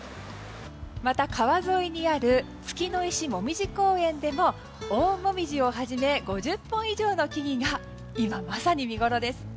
また川沿いにある月の石もみじ公園でも大モミジをはじめ５０本以上の木々が今まさに見ごろです。